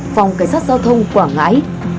phòng cảnh sát giao thông quảng ngãi